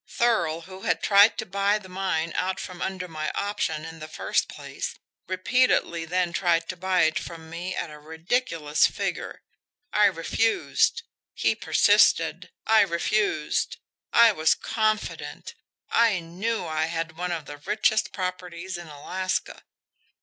Thurl, who had tried to buy the mine out from under my option in the first place, repeatedly then tried to buy it from me at a ridiculous figure. I refused. He persisted. I refused I was confident, I KNEW I had one of the richest properties in Alaska."